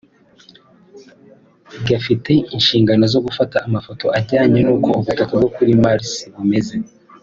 gafite inshingano zo gufata amafoto ajyanye n’uko ubutaka bwo kuri Mars bumeze